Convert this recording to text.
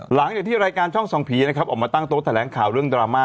หลังจากที่รายการช่องส่องผีนะครับออกมาตั้งโต๊ะแถลงข่าวเรื่องดราม่า